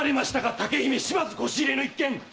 竹姫島津輿入れの一件！